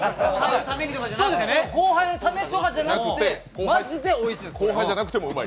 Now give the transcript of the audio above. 後輩のためとかじゃなくてマジでおいしいんです。